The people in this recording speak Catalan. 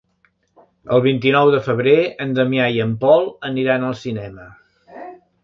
El vint-i-nou de febrer en Damià i en Pol aniran al cinema.